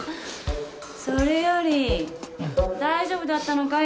それより大丈夫だったのかい？